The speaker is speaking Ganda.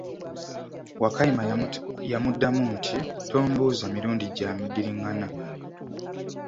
Wakayima y'amuddamu nti, tombuuza mirundi gya muddiringana.